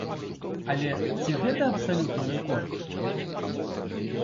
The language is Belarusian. Але ці гэта абсалютны рэкорд?